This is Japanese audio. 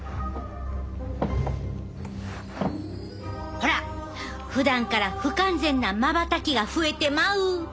ほらふだんから不完全なまばたきが増えてまう！